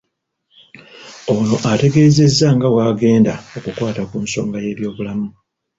Ono ategeezezza nga bw'agenda okukwata ku nsonga y'ebyobulamu